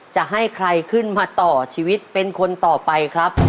จะให้ใครขึ้นมาต่อชีวิตเป็นคนต่อไปครับ